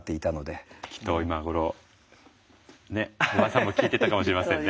きっと今頃おばあさんも聴いてたかもしれませんね。